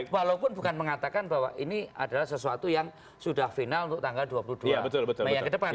walaupun bukan mengatakan bahwa ini adalah sesuatu yang sudah final untuk tanggal dua puluh dua mei yang ke depan